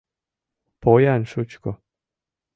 Поян шучко